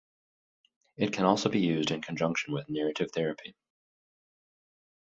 It can also be used in conjunction with Narrative Therapy.